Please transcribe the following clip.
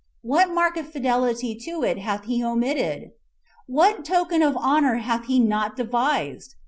What mark of fidelity to it hath he omitted? What token of honor hath he not devised?